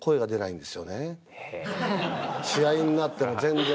試合になっても全然。